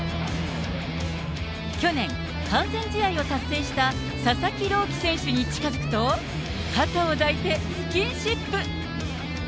去年、完全試合を達成した佐々木朗希選手に近づくと、肩を抱いてスキンシップ。